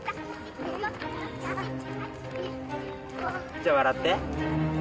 じゃ笑って。